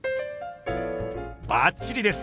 バッチリです！